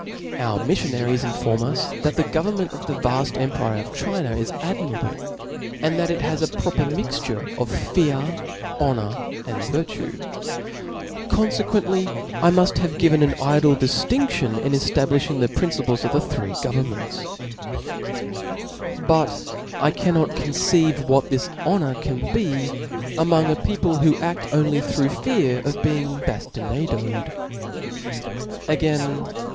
Our miffionaries inform us that the government of the vaft empire of China is admirable, and that it has a proper mixture of fear, honor, and vir tue. Confequently I muft have given an idle diftindion, in eftabliftiing the principles of the three government?. But I cannot conceive what this honor can be among a people, who aft only through fear of be ing baftinaded *. Again